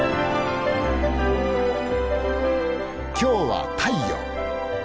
今日は「太陽」。